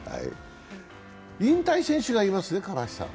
引退選手がいますね。